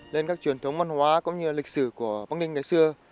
lên các truyền thống văn hóa cũng như lịch sử của bắc ninh ngày xưa